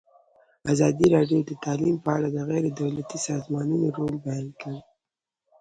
ازادي راډیو د تعلیم په اړه د غیر دولتي سازمانونو رول بیان کړی.